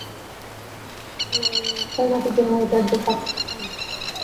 CIA এর অস্থায়ী ঘাঁটির জন্য এটা একদম পার্ফেক্ট স্থান।